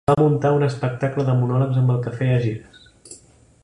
Va muntar un espectacle de monòlegs, amb el que feia gires.